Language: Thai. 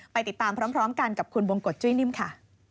ไปติดตามพร้อมกันกับคุณบงกฎจุ้ยนิ่มค่ะ